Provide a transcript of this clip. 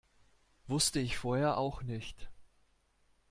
Wusste ich vorher auch nicht.